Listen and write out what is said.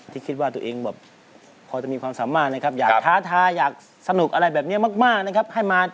ที่คิดว่าตัวเองแบบ